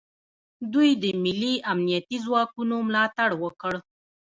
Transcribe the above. دوی د ملي امنیتي ځواکونو ملاتړ وکړ